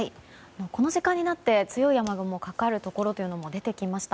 この時間になって強い雨雲がかかるところも出てきました。